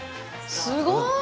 すごーい！